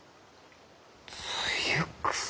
ツユクサ？